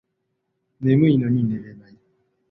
眠いのに寝れない